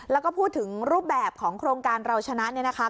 แล้วก็พูดถึงรูปแบบของโครงการเราชนะเนี่ยนะคะ